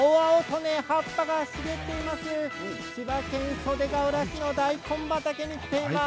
袖ヶ浦市の大根畑に来ています。